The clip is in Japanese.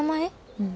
うん。